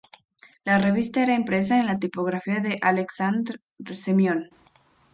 La revista era impresa en la tipografía de Aleksandr Semión.